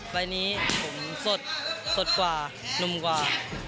ใบนี้ผมสดสดกว่านุ่มกว่า